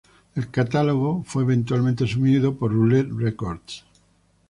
El catálogo fue eventualmente asumido por Roulette Records.